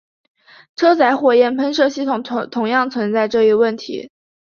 车载火焰喷射系统同样存在这一问题。